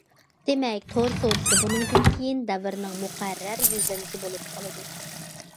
دېمەك، تور سودىسى بۇنىڭدىن كېيىن دەۋرنىڭ مۇقەررەر يۈزلىنىشى بولۇپ قالىدۇ.